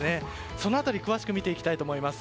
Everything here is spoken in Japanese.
その辺り詳しく見ていきたいと思います。